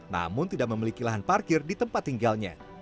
namun tidak memiliki lahan parkir di tempat tinggalnya